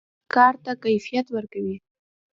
مهارت کار ته کیفیت ورکوي.